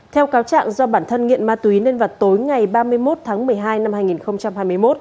theo cáo trạng do bản thân nghiện ma túy nên vào tối ngày ba mươi một tháng một mươi hai năm hai nghìn hai mươi một